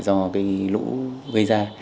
do lũ gây ra